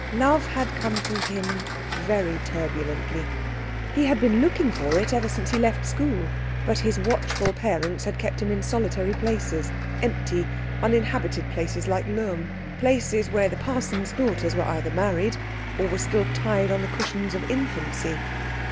Love had come to him very turbulently. He had been looking for it ever since he left school; but his watchful parents had kept him in solitary places, empty, uninhabited places like Lohm, places where the parson's daughters were either married or were still tied on the cushions of infancy.